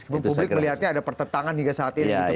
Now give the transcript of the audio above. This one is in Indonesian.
meskipun publik melihatnya ada pertetangan hingga saat ini